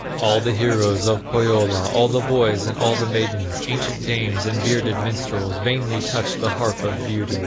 All the heroes of Pohyola, All the boys and all the maidens, Ancient dames, and bearded minstrels, Vainly touched the harp of beauty.